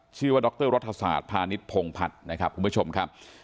ชื่อว่าดรศพานิษภงพัทคุณผู้ชมนะครับ